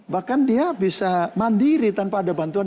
bahkan dia bisa mandiri tanpa ada bantuan